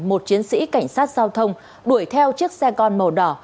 một chiến sĩ cảnh sát giao thông đuổi theo chiếc xe con màu đỏ